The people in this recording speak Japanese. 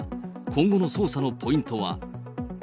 今後の捜査のポイントは。